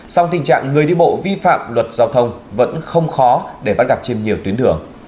song tình trạng người đi bộ vi phạm luật giao thông vẫn không khó để bắt gặp trên nhiều tuyến đường